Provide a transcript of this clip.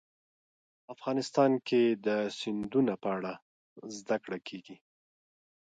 افغانستان کې د سیندونه په اړه زده کړه کېږي.